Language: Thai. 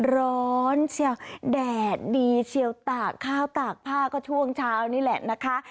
ร้อนเชียวแดดดีเชียวตากข้าวตากผ้าก็ช่วงเช้านี่แหละนะคะ